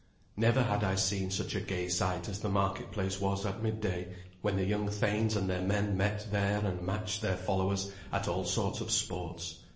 Never had I seen such a gay sight as the marketplace was at midday, when the young thanes and their men met there and matched their followers at all sorts of sports.